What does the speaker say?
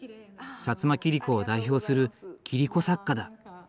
摩切子を代表する切子作家だ。